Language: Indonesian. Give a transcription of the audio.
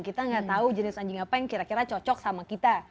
kita nggak tahu jenis anjing apa yang kira kira cocok sama kita